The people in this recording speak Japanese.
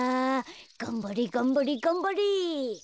がんばれがんばれがんばれ！